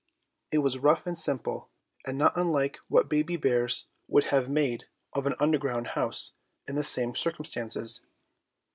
It was rough and simple, and not unlike what baby bears would have made of an underground house in the same circumstances.